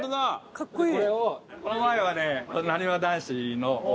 かっこいい！